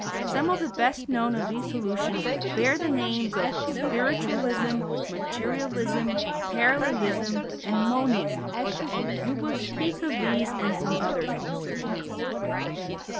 Some of the best known of these solutions bear the names of spiritualism, materialism, parallelism, and monism. We will speak of these and of some others also.